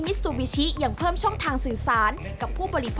มิซูบิชิยังเพิ่มช่องทางสื่อสาร